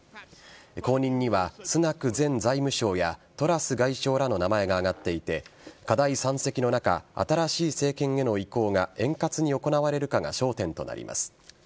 後任にはスナク前財務相やトラス外相らの名前が挙がっていて課題山積の中新しい政権への移行が円滑に行われるかが焦点となります。